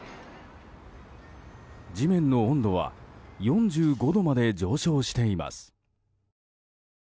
地面の温度は４５度まで上昇しています。